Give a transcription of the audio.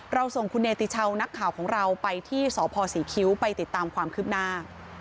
ส่งคุณเนติชาวนักข่าวของเราไปที่สพศรีคิ้วไปติดตามความคืบหน้า